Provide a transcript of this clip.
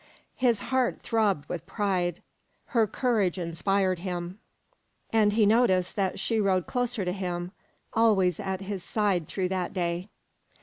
His heart throbbed with pride. Her courage inspired him. And he noticed that she rode closer to him always at his side through that day.